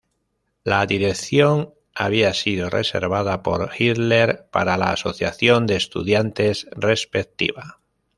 La dirección había sido reservada por Hitler para la asociación de estudiantes respectiva.